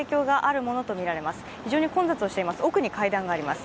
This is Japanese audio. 奥に階段があります。